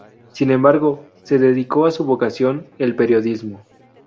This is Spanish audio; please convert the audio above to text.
Sin embargo, se dedicó a su vocación, el periodismo.